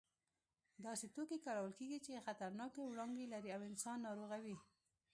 داسې توکي کارول کېږي چې خطرناکې وړانګې لري او انسان ناروغوي.